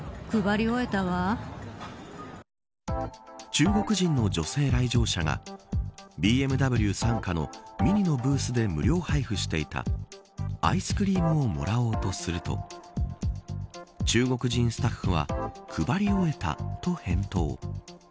中国人の女性来場者がＢＭＷ傘下のＭＩＮＩのブースで無料配布していたアイスクリームをもらおうとすると中国人スタッフは配り終えたと返答。